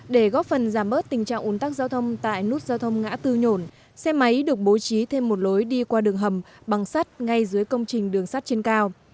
để góp phần giảm bớt tình trạng ồn tắc giao thông tại nút giao thông ngã tư nhổn xe máy được bố trí thêm một lối đi qua đường hầm bằng sắt ngay dưới công trình đường sắt trên cao